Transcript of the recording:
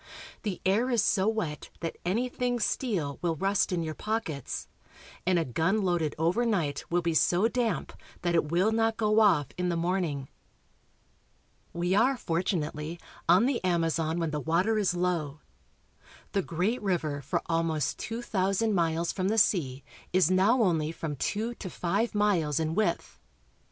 The air is so wet that anything steel will rust in your pockets, and a gun loaded overnight will be so damp that it will not go off in the morning. VALLEY OF THE AMAZON. 303 We are, fortunately, on the Amazon when the water is low. The great river for almost two thousand miles from the sea is now only from two to five miles in width.